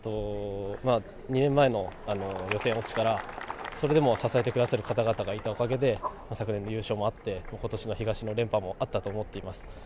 ２年前の予選落ちから、それでも支えてくださる方々がいたおかげで昨年の優勝があって今年の東の連覇もあったと思っています。